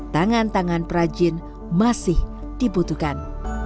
tangan tangan prajin masih dibutuhkan